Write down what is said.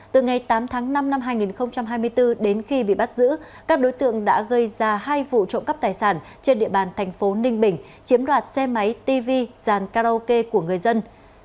từ ngày tám tháng năm năm hai nghìn hai mươi bốn đến khi bị bắt giữ các đối tượng đã gây ra hai vụ trộm cắp tài sản trên địa bàn thành phố ninh bình chiếm đoạt xe máy tv dàn karaoke của người dân